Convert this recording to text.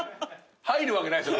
入るわけないですよ